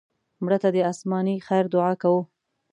مړه ته د آسماني خیر دعا کوو